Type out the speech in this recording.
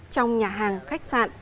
trong nhà hàng khách sạn